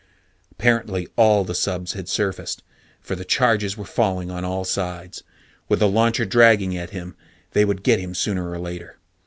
Apparently all the subs had surfaced, for the charges were falling on all sides. With the launcher dragging at him, they would get him sooner or later.